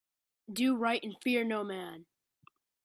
Do right and fear no man.